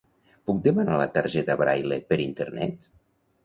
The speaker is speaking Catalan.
Puc demanar la targeta Braile per internet?